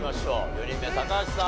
４人目高橋さん